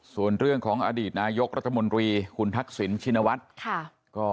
ส่วนเรื่องของอดีตนายกรัฐมนตรีคุณทักษิณชินวัฒน์